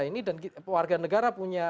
ini dan warga negara punya